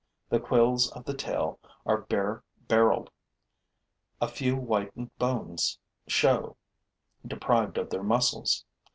The quills of the tail are bare barreled; a few whitened bones show, deprived of their muscles.